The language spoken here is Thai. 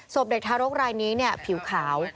สบเด็กทารกรายนี้เนี่ยผิวขาว